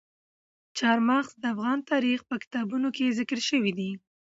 چار مغز د افغان تاریخ په کتابونو کې ذکر شوی دي.